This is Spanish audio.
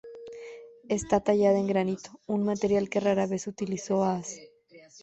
Está tallada en granito, un material que rara vez utilizó Aas.